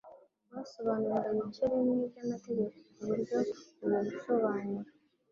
basobanuraga ibice bimwe by'amategeko ku buryo ubwo busobanuro